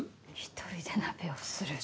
１人で鍋をする。